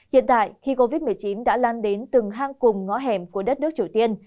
hiện tại khi covid một mươi chín đã lan đến từng hang cùng ngõ hẻm của đất nước triều tiên